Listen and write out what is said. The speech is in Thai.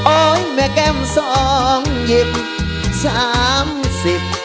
แม่แก้มสองหยิบสามสิบ